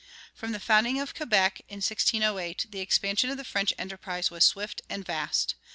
From the founding of Quebec, in 1608, the expansion of the French enterprise was swift and vast.